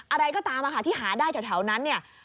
อะไรก็ตามที่หาได้แถวนั้นเนี่ย